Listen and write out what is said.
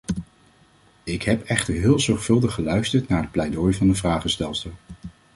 Ik heb echter heel zorgvuldig geluisterd naar het pleidooi van de vragenstelster.